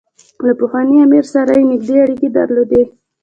له پخواني امیر سره یې نېږدې اړیکې درلودې.